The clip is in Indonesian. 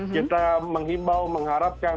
kita menghibau mengharapkan